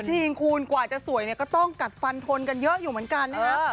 จริงคุณกว่าจะสวยเนี่ยก็ต้องกัดฟันทนกันเยอะอยู่เหมือนกันนะฮะ